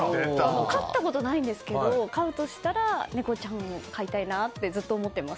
飼ったことはないんですけど飼うとしたらネコちゃんを飼いたいなってずっと思ってます。